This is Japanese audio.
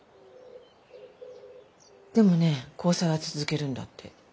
でもね交際は続けるんだって。